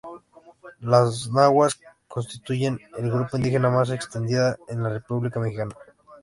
Los nahuas constituyen el grupo indígena más extendido en la República Mexicana.